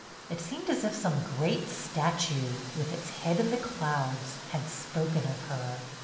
It seemed as if some great statue, with its head in the clouds, had spoken of her.